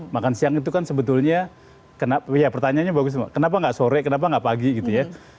makan siang itu kan sebetulnya ya pertanyaannya bagus kenapa nggak sore kenapa nggak pagi gitu ya